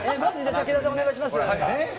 武田さん、お願いします。